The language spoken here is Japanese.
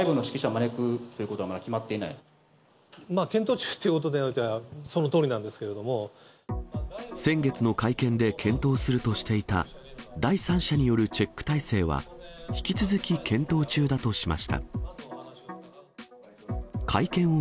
まあ検討中ということではそ先月の会見で、検討するとしていた第三者によるチェック体制は、引き続き検討中だとしました。